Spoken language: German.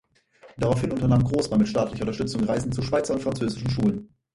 Daraufhin unternahm Großmann mit staatlicher Unterstützung Reisen zu Schweizer und französischen Schulen.